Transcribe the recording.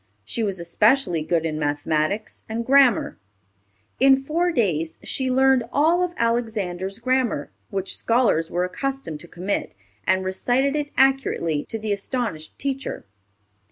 She was especially good in mathematics and grammar. In four days she learned all of Alexander's Grammar, which scholars were accustomed to commit, and recited it accurately to the astonished teacher.